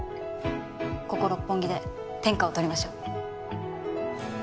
ここ六本木で天下を取りましょう。